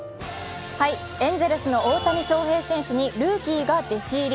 エンゼルスの大谷翔平選手にルーキーが弟子入り。